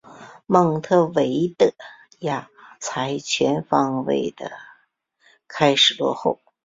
蒙得维的亚才全方位的开始落后。